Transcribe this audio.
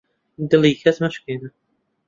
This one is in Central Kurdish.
دڵی کەس مەشکێنە